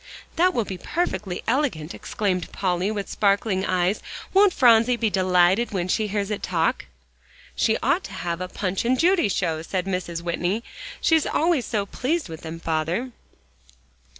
"That will be perfectly elegant," exclaimed Polly, with sparkling eyes. "Won't Phronsie be delighted when she hears it talk?" "She ought to have a Punch and Judy show," said Mrs. Whitney, "she's always so pleased with them, father."